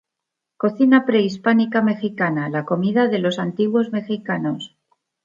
Cocina prehispánica mexicana: la comida de los antiguos mexicanos.